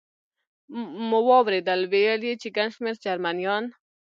مو واورېدل، ویل یې چې ګڼ شمېر جرمنیان.